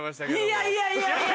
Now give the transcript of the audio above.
いやいやいや。